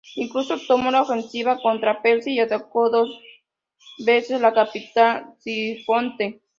Incluso tomó la ofensiva contra Persia y atacó por dos veces la capital Ctesifonte.